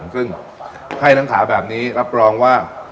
ซึ่งให้หนังขาแบบนี้รับรองว่า